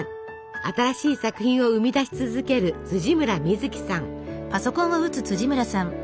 新しい作品を生み出し続ける村深月さん。